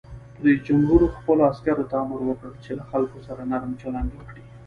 رئیس جمهور خپلو عسکرو ته امر وکړ؛ له خلکو سره نرم چلند وکړئ!